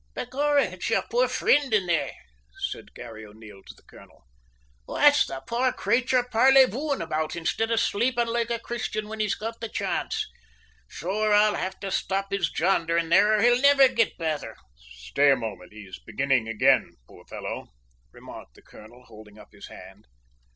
"Begorrah, it's your poor fri'nd in there!" said Garry O'Neil to the colonel. "What's the poor crayture parleyvooing about, instid of slaypin' loike a Christian whin he's got the chance? Sure, I'll have to stop his jaundering there, or he'll niver git betther!" "Stay a moment; he's beginning again, poor fellow," remarked the colonel, holding up his hand.